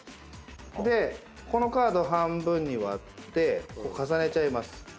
でこのカード半分に割って重ねちゃいます。